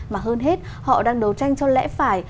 mà hơn hết họ đang đấu tranh cho lẽ phải